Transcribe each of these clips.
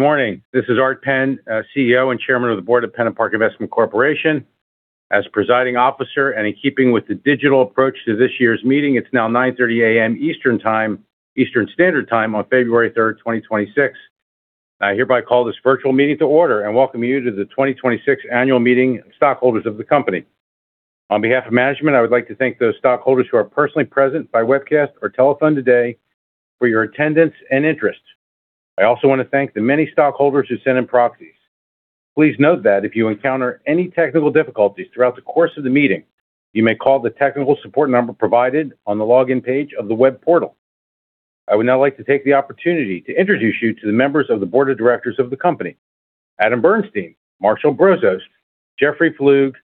Good morning. This is Art Penn, CEO and Chairman of the Board of PennantPark Investment Corporation. As presiding officer, and in keeping with the digital approach to this year's meeting, it's now 9:30 A.M. Eastern Time, Eastern Standard Time, on February 3rd, 2026. I hereby call this virtual meeting to order, and welcome you to the 2026 Annual Meeting Stockholders of the company. On behalf of management, I would like to thank those stockholders who are personally present by webcast or telephone today for your attendance and interest. I also wanna thank the many stockholders who sent in proxies. Please note that if you encounter any technical difficulties throughout the course of the meeting, you may call the technical support number provided on the login page of the web portal. I would now like to take the opportunity to introduce you to the members of the board of directors of the company. Adam Bernstein, Marshall Brozost, Jeffrey Flug,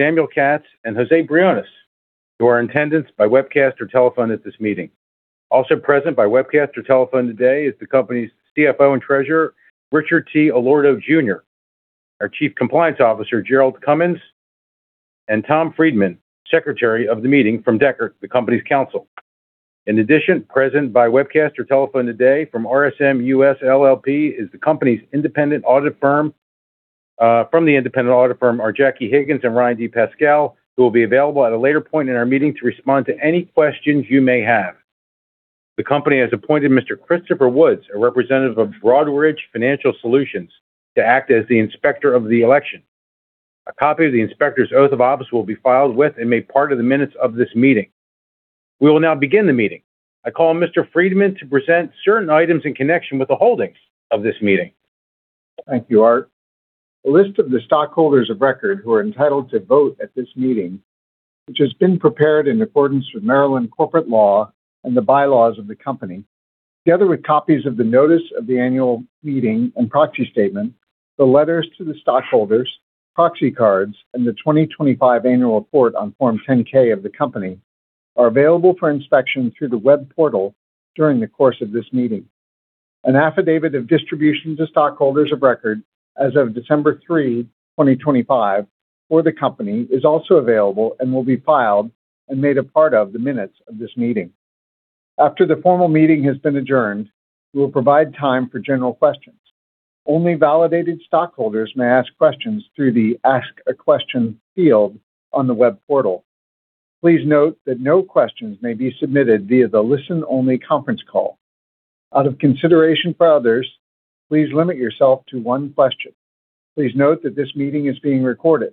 Samuel Katz, and José Briones, who are in attendance by webcast or telephone at this meeting. Also present by webcast or telephone today is the company's CFO and Treasurer, Richard T. Allorto, Jr., our Chief Compliance Officer, Gerald Cummins, and Tom Friedmann, Secretary of the meeting from Dechert, the company's counsel. In addition, present by webcast or telephone today from RSM U.S. LLP, is the company's independent audit firm. From the independent audit firm are Jackie Higgins and Ryan Pasquali, who will be available at a later point in our meeting to respond to any questions you may have. The company has appointed Mr. Christopher Woods, a representative of Broadridge Financial Solutions, to act as the inspector of the election. A copy of the inspector's oath of office will be filed with, and made part of the minutes of this meeting. We will now begin the meeting. I call Mr. Friedmann to present certain items in connection with the holdings of this meeting. Thank you, Art. A list of the stockholders of record, who are entitled to vote at this meeting, which has been prepared in accordance with Maryland corporate law and the bylaws of the company, together with copies of the notice of the annual meeting and proxy statement, the letters to the stockholders, proxy cards, and the 2025 annual report on Form 10-K of the company, are available for inspection through the web portal during the course of this meeting. An affidavit of distribution to stockholders of record as of December 3, 2025, for the company, is also available and will be filed and made a part of the minutes of this meeting. After the formal meeting has been adjourned, we will provide time for general questions. Only validated stockholders may ask questions through the Ask a Question field on the web portal. Please note that no questions may be submitted via the listen-only conference call. Out of consideration for others, please limit yourself to one question. Please note that this meeting is being recorded.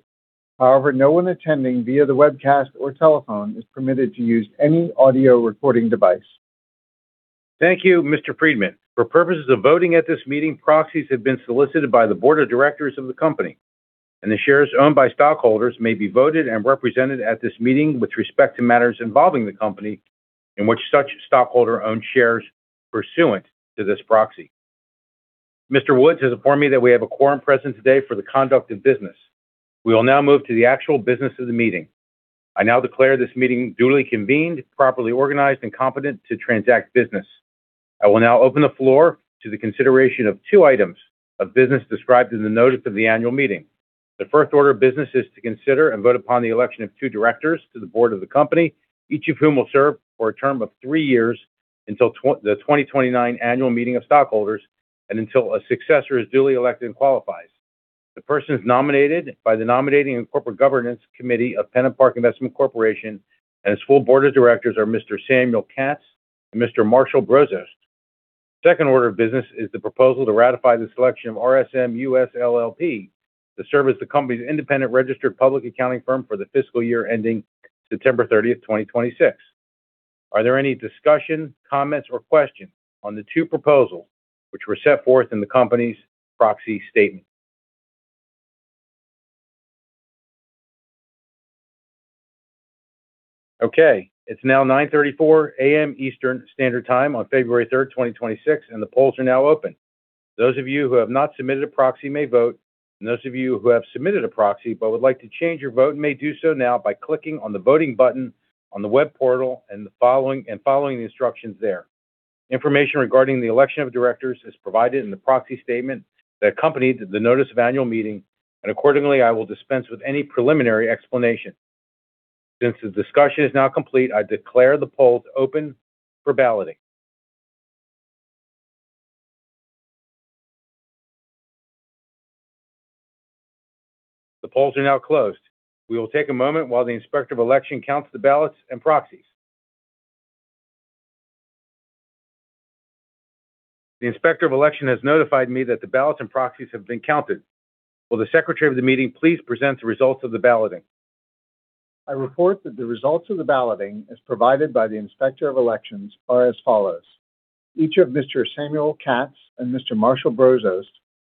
However, no one attending via the webcast or telephone is permitted to use any audio recording device. Thank you, Mr. Friedmann. For purposes of voting at this meeting, proxies have been solicited by the board of directors of the company, and the shares owned by stockholders may be voted and represented at this meeting with respect to matters involving the company in which such stockholder-owned shares pursuant to this proxy. Mr. Woods has informed me that we have a quorum present today for the conduct of business. We will now move to the actual business of the meeting. I now declare this meeting duly convened, properly organized, and competent to transact business. I will now open the floor to the consideration of two items of business described in the notice of the annual meeting. The first order of business is to consider and vote upon the election of two directors to the board of the company, each of whom will serve for a term of three years until the 2029 Annual Meeting of Stockholders and until a successor is duly elected and qualifies. The persons nominated by the Nominating and Corporate Governance Committee of PennantPark Investment Corporation, and its full board of directors, are Mr. Samuel Katz and Mr. Marshall Brozost. Second order of business is the proposal to ratify the selection of RSM U.S. LLP to serve as the company's independent registered public accounting firm for the fiscal year ending September 30, 2026. Are there any discussions, comments, or questions on the two proposals which were set forth in the company's proxy statement? Okay, it's now 9:34 A.M. Eastern Standard Time on February 3, 2026, and the polls are now open. Those of you who have not submitted a proxy may vote, and those of you who have submitted a proxy but would like to change your vote, may do so now by clicking on the voting button on the web portal and following the instructions there. Information regarding the election of directors is provided in the proxy statement that accompanied the notice of annual meeting, and accordingly, I will dispense with any preliminary explanation. Since the discussion is now complete, I declare the polls open for balloting. The polls are now closed. We will take a moment while the Inspector of Election counts the ballots and proxies. The Inspector of Election has notified me that the ballots and proxies have been counted. Will the Secretary of the meeting please present the results of the balloting? I report that the results of the balloting, as provided by the Inspector of Election, are as follows, each of Mr. Samuel Katz and Mr. Marshall Brozost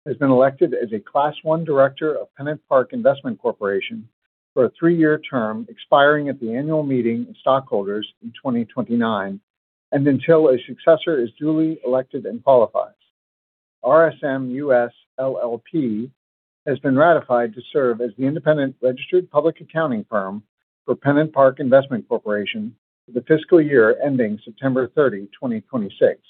has been elected as a Class I Director of PennantPark Investment Corporation for a three-year term, expiring at the Annual Meeting of Stockholders in 2029, and until a successor is duly elected and qualifies. RSM U.S. LLP has been ratified to serve as the independent registered public accounting firm for PennantPark Investment Corporation for the fiscal year ending September 30, 2026.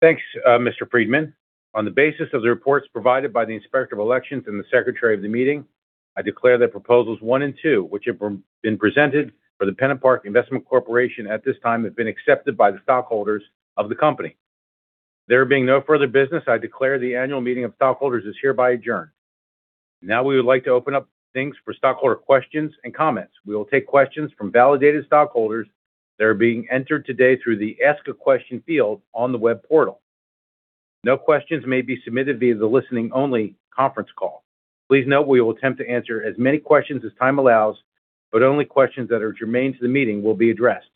Thanks, Mr. Friedmann. On the basis of the reports provided by the Inspector of Election and the Secretary of the meeting, I declare that proposals one and two, which have been presented for the PennantPark Investment Corporation at this time, have been accepted by the stockholders of the company. There being no further business, I declare the annual meeting of stockholders is hereby adjourned. Now, we would like to open up things for stockholder questions and comments. We will take questions from validated stockholders that are being entered today through the Ask a Question field on the web portal. No questions may be submitted via the listening-only conference call. Please note, we will attempt to answer as many questions as time allows, but only questions that are germane to the meeting will be addressed.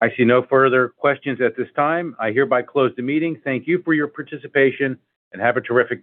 I see no further questions at this time. I hereby close the meeting. Thank you for your participation, and have a terrific day!